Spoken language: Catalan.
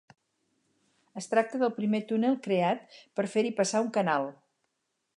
Es tracta del primer túnel creat per fer-hi passar un canal.